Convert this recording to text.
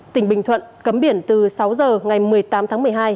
tỉnh bình thuận cấm biển từ sáu giờ ngày một mươi tám tháng một mươi hai